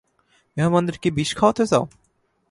মেহমানদের কি বিষ খাওয়াতে চাও?